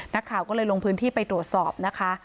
นักข่าวก็เลยลงพื้นที่ไปตรวจสอบนะคะ